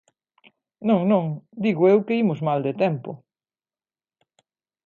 Non, non, digo eu que imos mal de tempo.